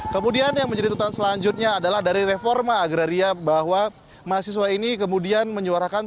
kemudian yang menjadi tuntutan selanjutnya adalah dari reforma agraria bahwa mahasiswa ini kemudian menyuarakan